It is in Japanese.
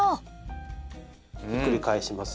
ひっくり返します。